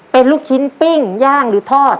เป็นลูกชิ้นปิ้งย่างหรือทอด